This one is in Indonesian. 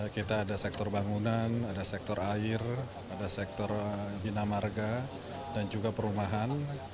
kita ada sektor bangunan ada sektor air ada sektor bina marga dan juga perumahan